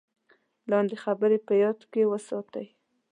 لاندې خبرې په یاد کې وساتئ: